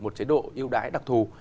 một chế độ yêu đái đặc thù